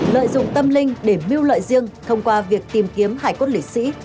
lợi dụng tâm linh để mưu lợi riêng thông qua việc tìm kiếm hải quốc lịch sĩ